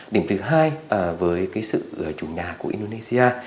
điểm thứ hai với sự chủ nhà của indonesia